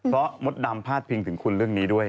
เพราะมดดำพาดพิงถึงคุณเรื่องนี้ด้วย